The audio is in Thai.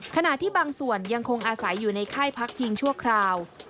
ขณะที่บางส่วนยังคงอาศัยอยู่ในค่ายพักพิงชั่วคราว